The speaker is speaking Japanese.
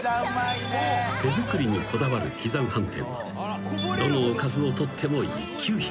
［手作りにこだわる喜山飯店はどのおかずをとっても一級品］